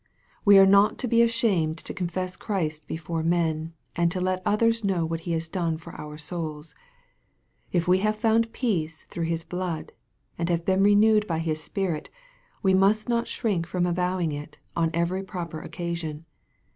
We are not to be ashamed to confess Christ before men, and to let others know what He has done for our souls. If we have found peace through His blood, and been renewed by His Spirit, we must not shrink from avowing it, on every proper occasion.